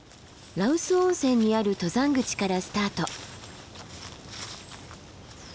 羅臼温泉にある登山口からスタート。